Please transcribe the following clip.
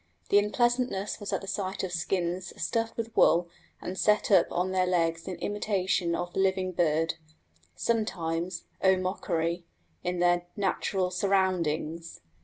The unpleasantness was at the sight of skins stuffed with wool and set up on their legs in imitation of the living bird, sometimes (oh, mockery!) in their "natural surroundings."